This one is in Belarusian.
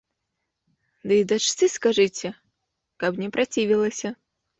Ды і дачцы скажыце, каб не працівілася.